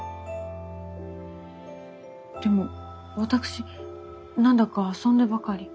でも私なんだか遊んでばかり。